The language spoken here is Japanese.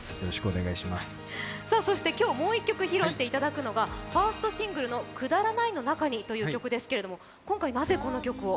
そして今日もう１曲披露していただくのがファーストシングルの「くだらないの中に」という曲ですが今回なぜこの曲を？